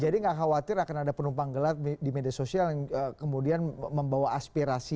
nggak khawatir akan ada penumpang gelap di media sosial yang kemudian membawa aspirasi